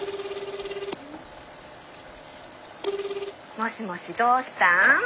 もしもしどうしたん？